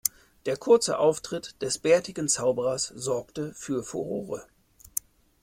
Der kurze Auftritt des bärtigen Zauberers sorgte für Furore.